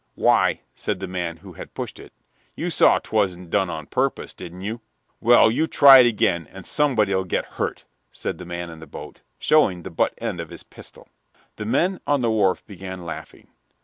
"Why," said the man who had pushed it, "you saw 'twasn't done a purpose, didn't you?" "Well, you try it again, and somebody 'll get hurt," said the man in the boat, showing the butt end of his pistol. The men on the wharf began laughing.